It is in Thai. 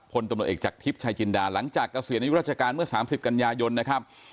พลตำรวจเอกจากทิพย์ชายจินดาหลังจากเกษียณอายุราชการเมื่อ๓๐กันยายนนะครับ